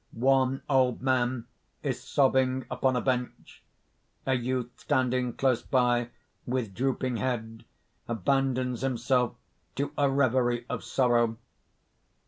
One old man is sobbing upon a bench; a youth standing close by, with drooping head, abandons himself to a reverie of sorrow.